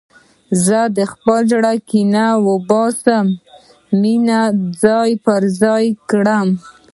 د خپل زړه کینه وباسه، مینه ځای پر ځای کړه.